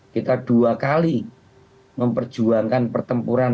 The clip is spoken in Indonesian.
kita dua kali memperjuangkan pertempuran